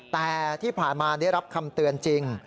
แต่ที่ผ่านมาได้รับคำเตือนจริง